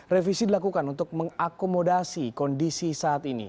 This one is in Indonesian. revisi dilakukan untuk mengakomodasi kondisi saat ini